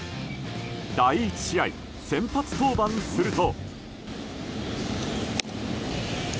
第１試合、先発登板すると。